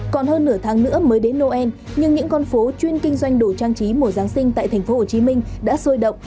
còn hơn nửa tháng nữa mới đến noel nhưng những con phố chuyên kinh doanh đủ trang trí mùa giáng sinh tại tp hcm đã sôi động